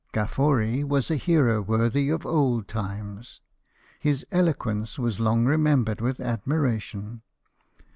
Gaffori was a hero worthy of old times. His eloquence Avas long remembered with admiration.